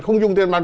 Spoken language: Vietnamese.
không dùng tiền mặt